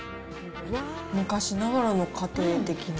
昔ながらの家庭的な。